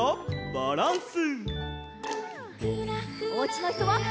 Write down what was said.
バランス。